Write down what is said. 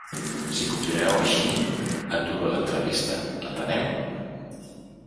Si continueu així, aturo l’entrevista, m’enteneu?